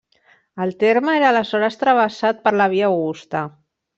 El terme era aleshores travessat per la Via Augusta.